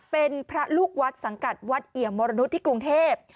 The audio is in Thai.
เป็นพระลูกวัดสังกัดวัดเอี่ยมมรนุษย์ที่กรุงเทพ